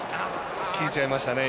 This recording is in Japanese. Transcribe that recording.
効いちゃいましたね。